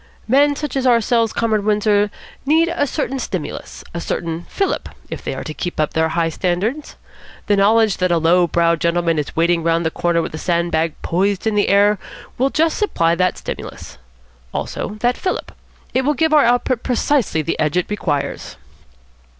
Men such as ourselves, Comrade Windsor, need a certain stimulus, a certain fillip, if they are to keep up their high standards. The knowledge that a low browed gentleman is waiting round the corner with a sand bag poised in air will just supply that stimulus. Also that fillip. It will give our output precisely the edge it requires."